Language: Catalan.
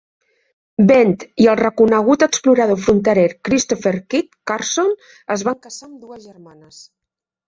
Bent i el reconegut explorador fronterer Christopher "Kit" Carson es van casar amb dues germanes.